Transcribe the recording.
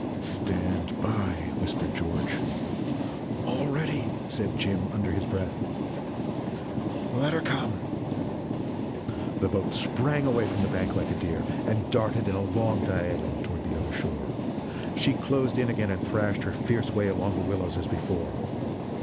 "Stand by!" whispered George. "All ready!" said Jim, under his breath. "Let her come!" The boat sprang away from the bank like a deer, and darted in a long diagonal toward the other shore. She closed in again and thrashed her fierce way along the willows as before.